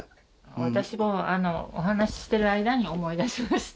私もお話ししてる間に思い出しました。